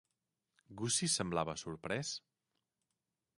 Gussie semblava sorprès?